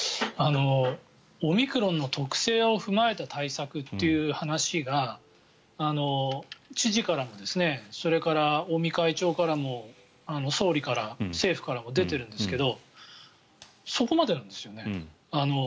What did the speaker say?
オミクロンの特性を踏まえた対策という話が知事からもそれから尾身会長からも総理から、政府からも出ているんですがそこまでなんですよね。